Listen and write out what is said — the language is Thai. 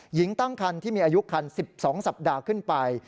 หญิงตั้งคันที่มีอายุคัน๑๒สัปดาห์ขึ้นไป